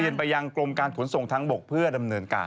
ไปยังกรมการขนส่งทางบกเพื่อดำเนินการ